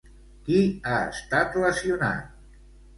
Qui ha estat lesionat?